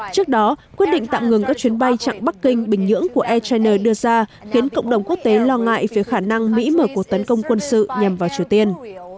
trước đó quyết định tạm ngừng các chuyến bay chặn bắc kinh bình nhưỡng của echiner đưa ra khiến cộng đồng quốc tế lo ngại về khả năng mỹ mở cuộc tấn công quân sự nhằm vào triều tiên